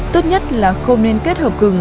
tốt nhất là không nên kết hợp gừng